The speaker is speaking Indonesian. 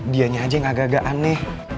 dianya aja yang agak agak aneh